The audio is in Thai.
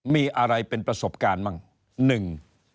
มีอะไรเป็นประสบการณ์บ้าง